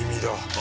あ！